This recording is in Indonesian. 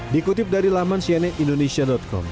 dikutip dari laman cnnindonesia com